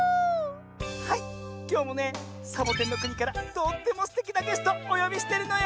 はいきょうもねサボテンのくにからとってもすてきなゲストおよびしてるのよ。